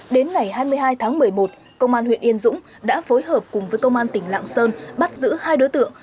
đến ngày hai mươi hai tháng một mươi một công an huyện yên dũng đã phối hợp cùng với công an tỉnh lạng sơn bắt giữ hai đối tượng